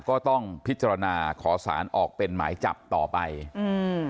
ก็ต้องพิจารณาขอสารออกเป็นหมายจับต่อไปอืม